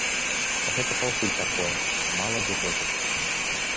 Гэта паўсюль такое, мала дзе топяць.